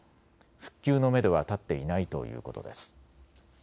復旧のめどは立っていないということです。